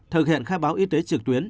thực hiện khai báo y tế trực tuyến